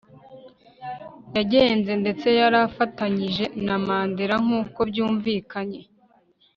yagenze ndetse yari afatanyije na Mandela nkuko byumvikanye